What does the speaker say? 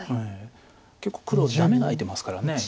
結構黒ダメが空いてますから。